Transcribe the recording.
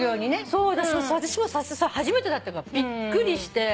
そう私も初めてだったからびっくりして。